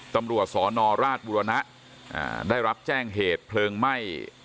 ตำรวจสนราชบุรณะได้รับแจ้งเหตุเพลิงไหม้